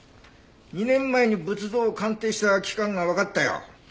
２年前に仏像を鑑定した機関がわかったよ。